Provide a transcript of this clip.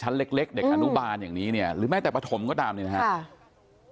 หรือแม่แต่ปฐมก็ตามนะครับ